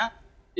itu uang pengguna